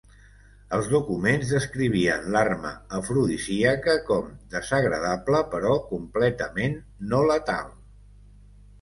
Els documents descrivien l'arma afrodisíaca com "desagradable però completament no letal".